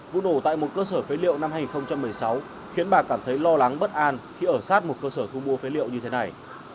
vụ nổ tại một cơ sở phế liệu năm hai nghìn một mươi sáu khiến bà cảm thấy lo lắng bất an khi ở sát một cơ sở thu mua phế liệu như thế này